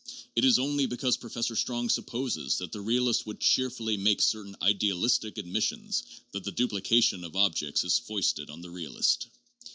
It is only because Professor Strong supposes that the realist would cheerfully make certain idealistic admissions that the duplication of objects is foisted on the realist.